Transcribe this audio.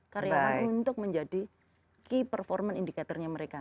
karena untuk menjadi key performance indicator nya mereka